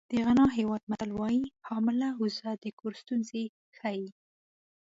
د غانا هېواد متل وایي حامله اوزه د کور ستونزې ښیي.